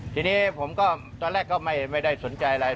ทีนี้ผมก็ตอนแรกก็ไม่ได้สนใจอะไร